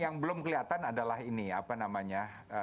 yang belum kelihatan adalah ini apa namanya